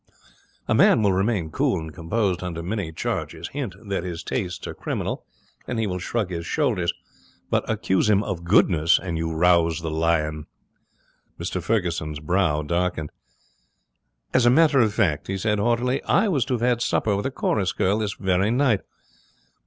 A man will remain cool and composed under many charges. Hint that his tastes are criminal, and he will shrug his shoulders. But accuse him of goodness, and you rouse the lion. Mr Ferguson's brow darkened. 'As a matter of fact,' he said, haughtily, 'I was to have had supper with a chorus girl this very night.'